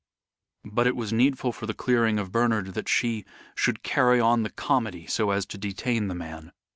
But it was needful for the clearing of Bernard that she should carry on the comedy so as to detain the man.